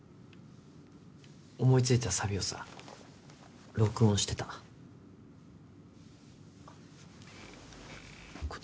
思いついたサビをさ録音してたこっち